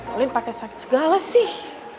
paling pakai sakit segala sih